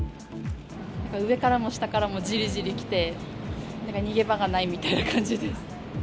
上からも下からもじりじりきて、なんか逃げ場がないみたいな感じです。